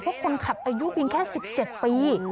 เพราะคนขับอายุเพียงแค่๑๗ปี